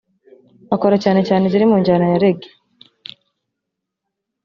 akora cyane cyane iziri mu njyana ya Reggae